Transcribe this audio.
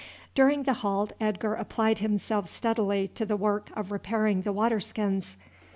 During the halt Edgar applied himself steadily to the work of repairing the water skins.